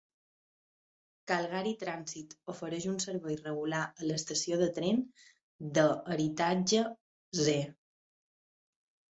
Calgary Transit ofereix un servei regular a l'estació de tren de Heritage C.